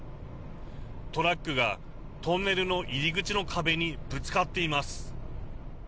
トラックがトンネルの入り口の壁にぶつかっています。